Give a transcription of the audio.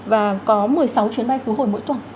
và có một mươi sáu chuyến bay khứ hồi mỗi tuần